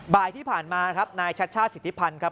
บ่ายที่ผ่านมาครับนายชัชชาติสิทธิพันธ์ครับ